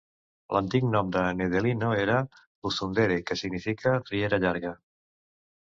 L'antic nom de Nedelino era "Uzundere" que significa "Riera llarga"...